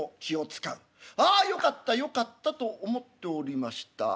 ああよかったよかったと思っておりました。